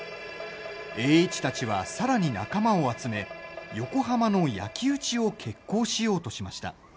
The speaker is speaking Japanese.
栄一たちは、さらに仲間を集め横浜の焼き打ちを決行しようとしました。